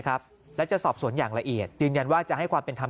ครับและจะสอบสวนอย่างละเอียดยืนยันว่าจะให้ความเป็นธรรม